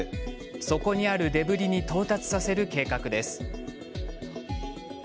底にあるデブリに到達させる計画です。